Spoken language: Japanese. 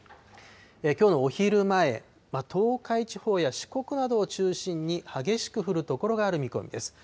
きょうのお昼前、東海地方や四国などを中心に、激しく降る所がある見込みです。